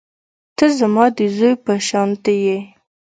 ته زما د زوى په شانتې يې.